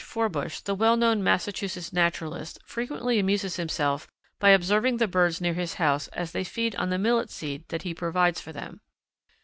Forbush, the well known Massachusetts naturalist, frequently amuses himself by observing the birds near his house as they feed on the millet seed that he provides for them.